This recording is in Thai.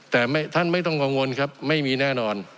แต่ท่านไม่ต้องกังวลครับไม่มีแน่นอน